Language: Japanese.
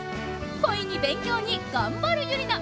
恋に勉強に頑張るユリナ！